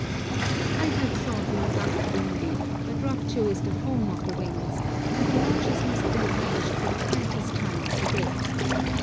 I had thought Ladak windy, but Rupchu is the home of the winds, and the marches must be arranged for the quietest time of the day.